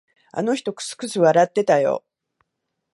あの人、くすくす笑ってたよ。